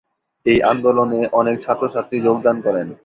এই আন্দোলনে অনেক ছাত্র-ছাত্রী যোগদান করেন।